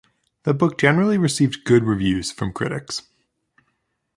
The book generally received good reviews from critics.